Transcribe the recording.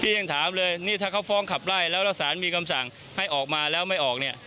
ยังถามเลยนี่ถ้าเขาฟ้องขับไล่แล้วแล้วสารมีคำสั่งให้ออกมาแล้วไม่ออกเนี่ย